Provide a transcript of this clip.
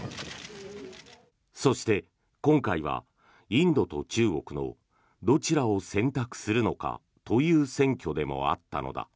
そして、今回はインドと中国のどちらを選択するのかという選挙でもあったのだ。